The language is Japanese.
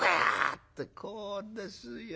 ってこうですよ。